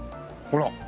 ほら。